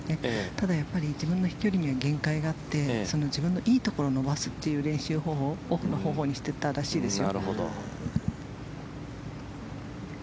ただ、自分の飛距離には限界があって自分のいいところを伸ばすという方法でしていたみたいですよ。